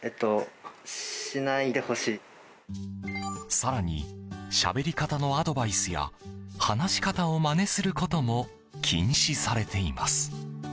更にしゃべり方のアドバイスや話し方をまねすることも禁止されています。